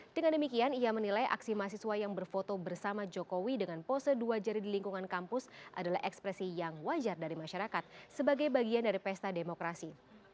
dengan demikian ia menilai aksi mahasiswa yang berfoto bersama jokowi dengan pose dua jari di lingkungan kampus adalah ekspresi yang wajar dari masyarakat sebagai bagian dari pesta demokrasi